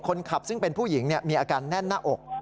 คนขับซึ่งเป็นผู้หญิงมีอาการแน่นหน้าอก